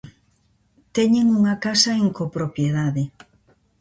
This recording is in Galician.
Teñen unha casa en copropiedade.